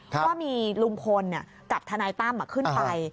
ว่ามีลุงพลกับทนายตั้มขึ้นไป